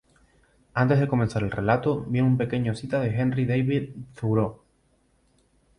Antes de comenzar el relato, viene una pequeña cita de Henry David Thoreau.